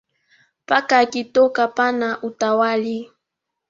Paka akitoka panna hutawali.